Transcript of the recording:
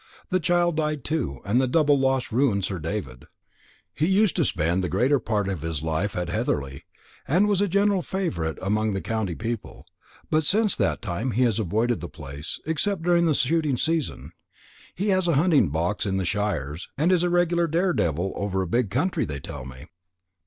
The child died too, and the double loss ruined Sir David. He used to spend the greater part of his life at Heatherly, and was a general favourite among the county people; but since that time he has avoided the place, except during the shooting season. He has a hunting box in the shires, and is a regular daredevil over a big country they tell me."